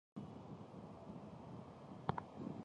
主机埠介面的沟通介面。